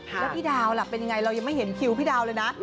แล้วพี่ดาวล่ะเป็นยังไงเรายังไม่เห็นคิวพี่ดาวเลยนะ